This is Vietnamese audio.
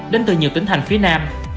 đến từ nhiều tỉnh thành phía nam